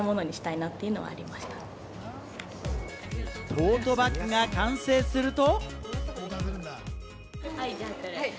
トートバッグが完成すると。